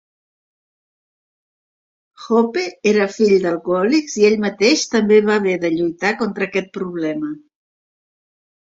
Hope era fill d'alcohòlics i ell mateix també va haver de lluitar contra aquest problema.